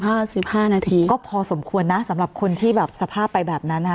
ห้าสิบห้านาทีก็พอสมควรนะสำหรับคนที่แบบสภาพไปแบบนั้นอ่ะ